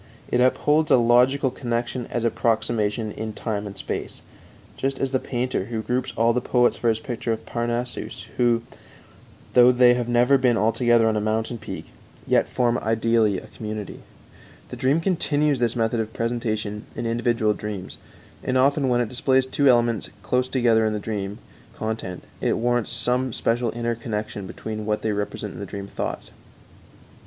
It upholds a logical connection as approximation in time and space, just as the painter, who groups all the poets for his picture of Parnassus who, though they have never been all together on a mountain peak, yet form ideally a community. The dream continues this method of presentation in individual dreams, and often when it displays two elements close together in the dream content it warrants some special inner connection between what they represent in the dream thoughts.